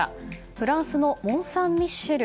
フランスのモン・サン＝ミッシェル。